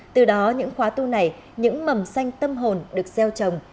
từ đó những khóa tu này những mầm xanh tâm hồn được gieo trồng